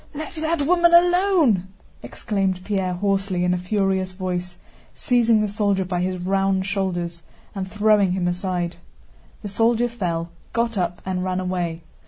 "Let that woman alone!" exclaimed Pierre hoarsely in a furious voice, seizing the soldier by his round shoulders and throwing him aside. The soldier fell, got up, and ran away.